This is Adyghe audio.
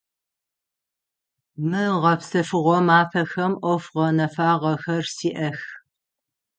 Мы гъэпсэфыгъо мафэхэм ӏоф гъэнэфагъэхэр сиӏэх.